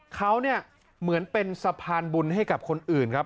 เขาเนี่ยเหมือนเป็นสะพานบุญให้กับคนอื่นครับ